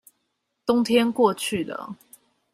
冬天過去了